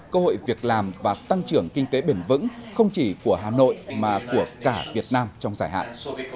cơ hội việc làm và tăng trưởng kinh tế bền vững không chỉ của hà nội mà của cả việt nam trong dài hạn